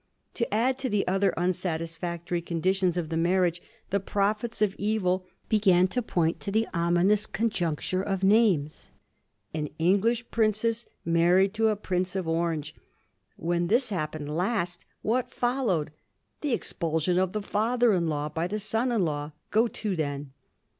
To add to the other unsatisfactory conditions of the marriage, the prophets of evil began to point to the ominous conjuncture of names — an English princess mar ried to a Prince of Orange. When this happened last, what followed ? The expulsion of the father in law by the son in law. Go to, then